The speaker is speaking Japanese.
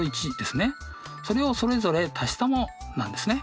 それをそれぞれ足したものなんですね。